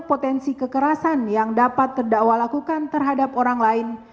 potensi kekerasan yang dapat terdakwa lakukan terhadap orang lain